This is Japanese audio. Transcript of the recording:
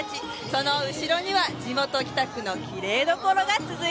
その後ろには地元北区のきれいどころが続いております。